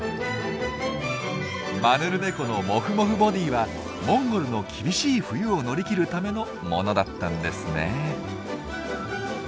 マヌルネコのモフモフボディーはモンゴルの厳しい冬を乗り切るためのものだったんですね。